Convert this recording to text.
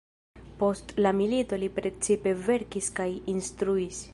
Post la milito li precipe verkis kaj instruis.